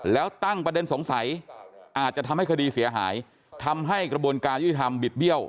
แล้วตั้งประเด็นสงสัยอาจจะทำให้คดีเสียหายทำให้กระบวนการยุติธรรมบิดเบี้ยว